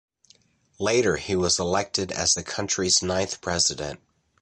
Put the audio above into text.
Later he was elected as the country's ninth president.